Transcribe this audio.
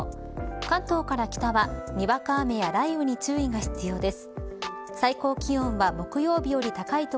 関東から北は、にわか雨や雷雨に注意が必要です。